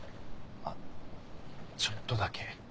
あっちょっとだけ。